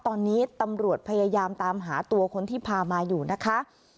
ตอนนี้ตำรวจพยายามตามหาตัวคนที่พามาอยู่นะคะ